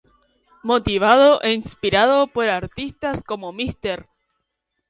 Motivado e inspirado por artistas como Mr.